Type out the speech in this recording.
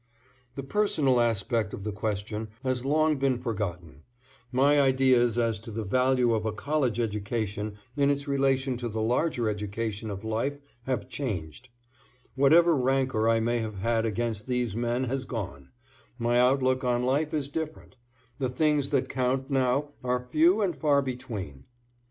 The personal aspect of the question has long been forgotten; my ideas as to the value of a college education in its relation to the larger education of life have changed; whatever rancor I may have had against these men has gone; my outlook on life is different; the things that count now are few, are far between.